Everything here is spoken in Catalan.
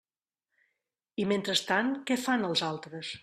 I mentrestant, ¿què fan els altres?